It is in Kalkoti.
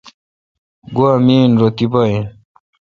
گوا می این رو تی پا این۔